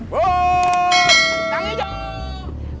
buurr jangan jauh